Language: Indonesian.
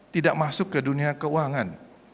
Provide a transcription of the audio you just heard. tidak masuk ke dunia keuangan